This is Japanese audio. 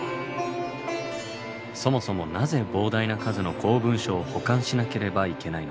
そもそもなぜ膨大な数の公文書を保管しなければいけないのか。